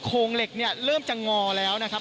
โคงเหล็กเริ่มจะงอแล้วนะครับ